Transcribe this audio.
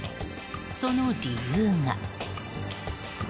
その理由が。